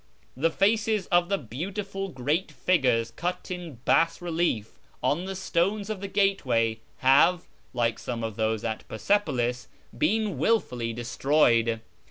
The faces of the beautiful great figures cut in bas relief on the stones of the gateway have, like some of those at Persepolis, been wilfully destroyed.